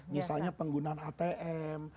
misalnya penggunaan atm